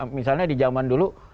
misalnya di jaman dulu